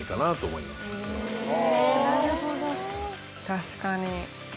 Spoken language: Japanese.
確かに。